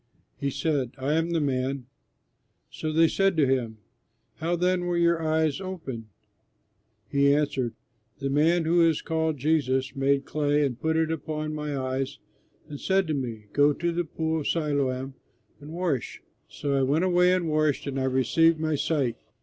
He said, "I am the man." So they said to him, "How then were your eyes opened?" He answered, "The man who is called Jesus made clay and put it upon my eyes, and said to me, 'Go to the Pool of Siloam and wash.' So I went away and washed, and I received my sight."